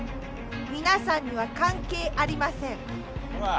皆さんには関係ありません。